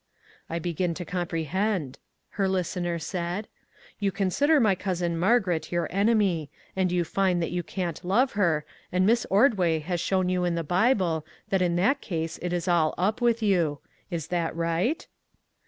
" I begin to comprehend," her listener said. " You consider my cousin Margaret your enemy, and you find that you can't love her, and Miss Ordway has shown you in the Bible that in that case it is all up, with you. Is that right?"